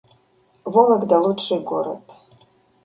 Вологда — лучший город